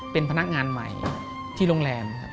เป็นพนักงานใหม่ที่โรงแรมครับ